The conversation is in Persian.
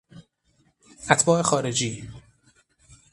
اتباع خارجی